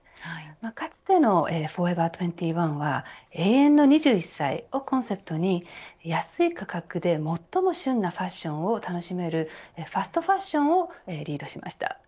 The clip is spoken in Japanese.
かつてのフォーエバー２１は永遠の２１歳をコンセプトに安い価格で最も旬なファッションを楽しめるファストファッションをリードしました。